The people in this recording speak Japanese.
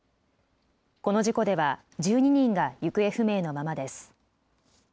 この事故では１２人が行方不明のままです。